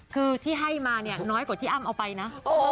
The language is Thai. คือที่ให้มาเนี่ยน้อยกว่าที่อ้ำเอาไปนะ